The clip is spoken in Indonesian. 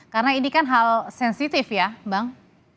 karena ini kan hal sensitif ya bang